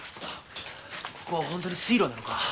ここは本当に水路なのか？